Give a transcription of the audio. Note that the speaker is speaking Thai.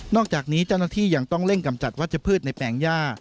อกจากนี้เจ้าหน้าที่ยังต้องเร่งกำจัดวัชพืชในแปลงย่า